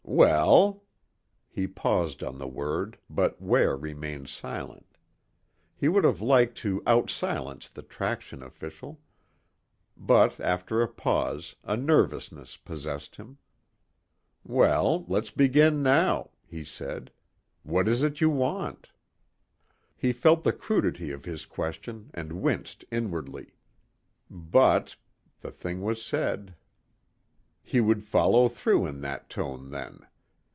"Well...." He paused on the word but Ware remained silent. He would have liked to out silence the traction official but after a pause, a nervousness possessed him. "Well, let's begin now," he said. "What is it you want?" He felt the crudity of his question and winced inwardly. But ... the thing was said. He would fellow through in that tone, then.